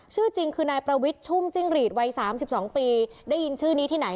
ชื่อจริงคือนายประวิทย์ชุ่มจิ้งหรีดวัย๓๒ปีได้ยินชื่อนี้ที่ไหน